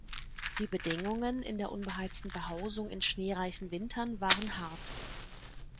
Die Bedingungen in der unbeheizten Behausung in schneereichen Wintern waren hart.